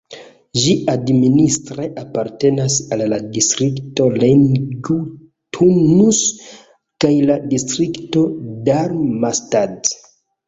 Ĝi administre apartenas al la distrikto Rheingau-Taunus kaj la distriktaro Darmstadt.